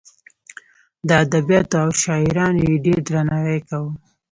د ادبیاتو او شاعرانو یې ډېر درناوی کاوه.